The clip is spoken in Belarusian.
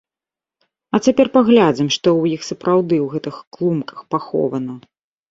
А цяпер паглядзім, што ў іх сапраўды ў гэтых клумках пахована.